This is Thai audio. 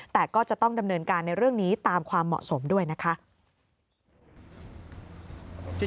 แต่ก็จะต้องดำเนินการในเรื่องนี้ตามความเหมาะสมด้วยนะคะ